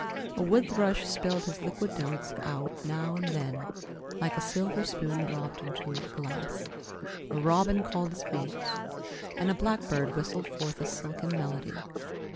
A wood thrush spilled his liquid notes out now and then, like a silver spoon dropped into a glass. A robin called his mate, and a blackbird whistled forth a silken melody.